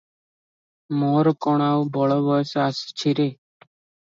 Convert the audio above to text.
ମୋର କଣ ଆଉ ବଳ ବୟସ ଆସୁଛି ରେ?